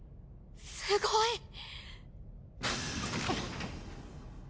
すごい。